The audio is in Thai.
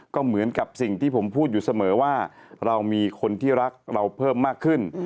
ก็เหมือนกับสิ่งที่ผมพูดอยู่เสมอว่าเรามีคนที่รักเราเพิ่มมากขึ้น